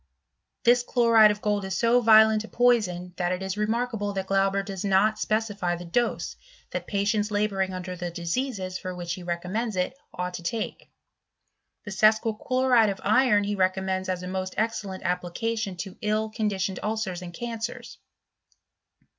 This chloride of gold is so violent a poison that it is remarkable that Glauber does not specify the dose that patients labouring under the diseases for which he recommends it ought to take. —• The sesqui chloride of iron he recommends as a most excellent application to ill conditioned ulcers and can cers.